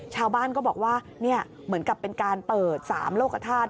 ชาวบ้านก็บอกว่าเหมือนกับเป็นการเปิด๓โลกธาตุ